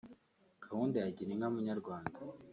Gahunda ya Girinka Munyarwanda